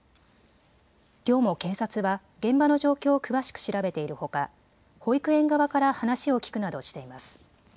きょうも警察は現場の状況を詳しく調べているほか保育園側から話を聞くなどしています。